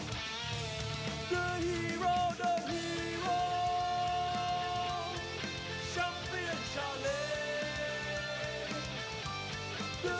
โยกขวางแก้งขวา